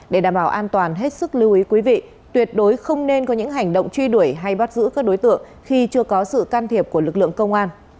để đảm bảo an toàn hết sức lưu ý quý vị tuyệt đối không nên có những hành động truy đuổi hay bắt giữ các đối tượng khi chưa có sự can thiệp của lực lượng công an